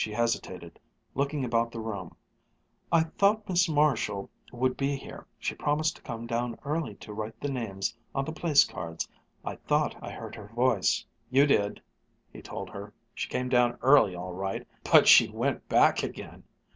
She hesitated, looking about the room. "I thought Miss Marshall would be here. She promised to come down early to write the names on the place cards. I thought I heard her voice." "You did," he told her. "She came down early all right but she went back again."